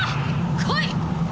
来い！